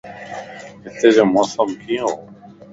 ھتي جو موسم ڪيئن ھو؟